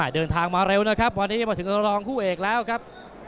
เดินทางมาเร็วนะครับวันนี้จะมาถึงรองคู่เอกแล้วครับ